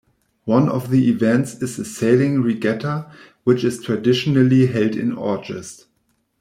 One of the events is a sailing Regatta, which is traditionally held in August.